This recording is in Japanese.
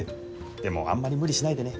でもあんまり無理しないでね。